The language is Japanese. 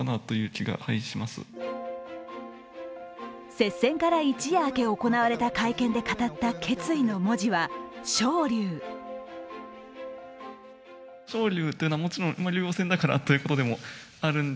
接戦から一夜明け行われた会見で語った決意の文字は「昇龍」。